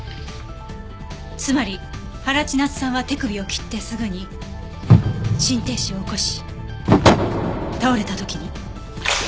つまり原千夏さんは手首を切ってすぐに心停止を起こし倒れた時に。